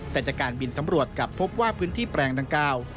แต่จากการบินสำรวจกลับพบว่าพื้นที่แปลงดังกล่าว